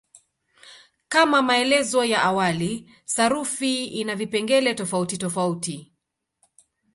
Kama maelezo ya awali, sarufi ina vipengele tofautitofauti.